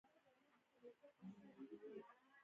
د ډیپلوماسی هڅې د جګړو مخنیوی کوي.